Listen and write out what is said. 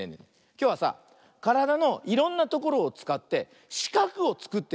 きょうはさからだのいろんなところをつかってしかくをつくってみるよ。